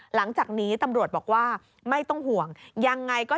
หลังจากนี้ตำรวจบอกว่าไม่ต้องห่วงยังไงก็